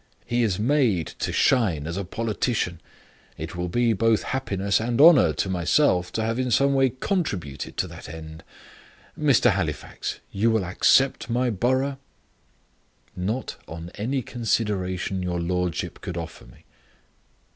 He is made to shine as a politician: it will be both happiness and honour to myself to have in some way contributed to that end. Mr. Halifax, you will accept my borough?" "Not on any consideration your lordship could offer me."